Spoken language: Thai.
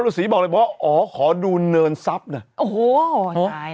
พ่อฤษีบอกเลยบอกว่าอ๋อขอดูเนินซับน่ะโอ้โหหายละ